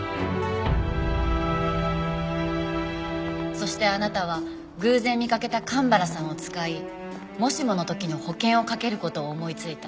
そしてあなたは偶然見かけた神原さんを使いもしもの時の保険をかける事を思いついた。